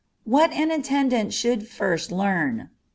_What an Attendant Should First Learn.